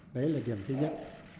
đấy là điểm thứ nhất